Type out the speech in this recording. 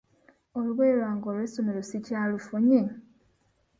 Olugoye lwange olw'essomero sikyalufunye?